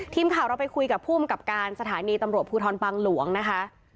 ทีมข่าวเราไปคุยกับผู้อำกับการสถานีตำรวจภูทรบังหลวงนะคะ